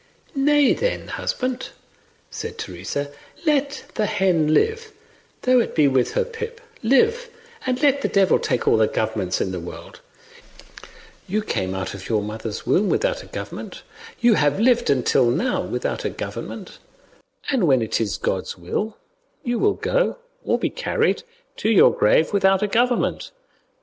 "Nay, then, husband," said Teresa; "let the hen live, though it be with her pip, live, and let the devil take all the governments in the world; you came out of your mother's womb without a government, you have lived until now without a government, and when it is God's will you will go, or be carried, to your grave without a government.